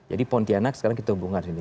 jadi pontianak sekarang kita hubungkan